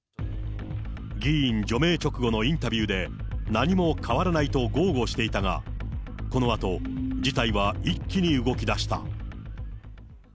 議員除名直後のインタビューで、何も変わらないと豪語していたが、このあと事態は一気に動き出した。